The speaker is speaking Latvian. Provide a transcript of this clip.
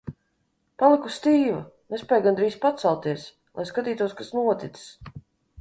Paliku stīva, nespēju gandrīz pacelties, lai skatītos, kas noticis.